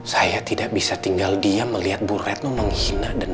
saya tidak bisa tinggal diam melihat bu retno menghina